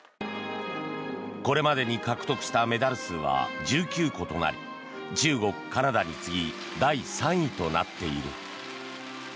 これまでに獲得したメダル数は１９個となり中国、カナダに次ぎ第３位となっている。